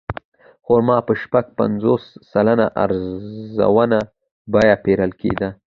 خرما په شپږ پنځوس سلنه ارزانه بیه پېرل کېده.